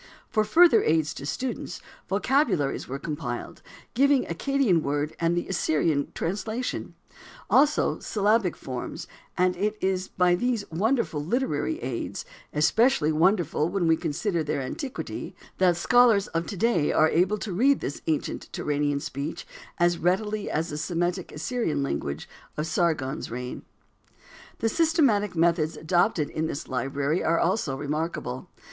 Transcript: For further aids to students, vocabularies were compiled, giving the Accadian word and the Assyrian translation; also, syllabic forms, and it is by these wonderful literary aids, especially wonderful when we consider their antiquity, that scholars of to day are able to read this ancient Turanian speech as readily as the Semitic Assyrian language of Sargon's reign. The systematic methods adopted in this library are also remarkable.